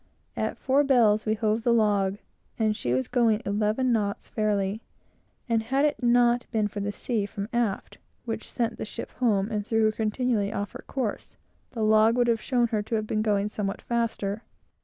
At four bells we hove the log, and she was going eleven knots fairly; and had it not been for the sea from aft which sent the ship home, and threw her continually off her course, the log would have shown her to have been going much faster.